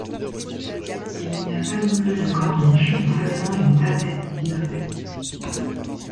Il n'y a pas non plus de corniche, mais seulement une tablette biseautée.